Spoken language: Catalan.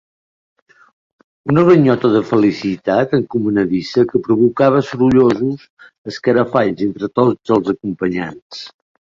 Una ganyota de felicitat encomanadissa que provocava sorollosos escarafalls entre tots els acompanyants.